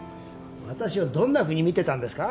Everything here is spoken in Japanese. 私をどんなふうに見てたんですか？